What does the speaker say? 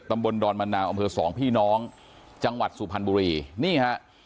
บนดอนมะนาวอำเภอสองพี่น้องจังหวัดสุพรรณบุรีนี่ฮะ